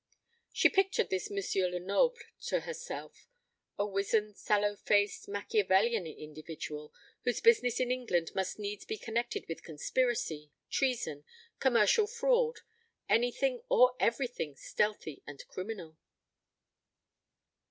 She pictured this M. Lenoble to herself a wizened, sallow faced Macchiavellian individual, whose business in England must needs be connected with conspiracy, treason, commercial fraud, anything or everything stealthy and criminal.